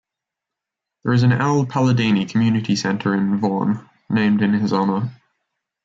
There is an Al Palladini Community Centre in Vaughan, named in his honour.